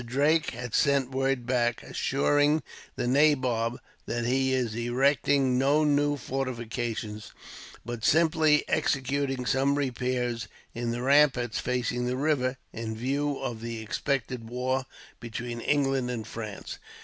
Drake has sent word back, assuring the nabob that he is erecting no new fortifications, but simply executing some repairs in the ramparts facing the river, in view of the expected war between England and France.